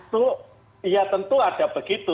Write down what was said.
itu ya tentu ada begitu